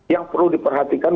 yang perlu diperhatikan